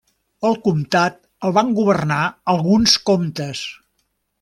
El comtat el van governar alguns comtes.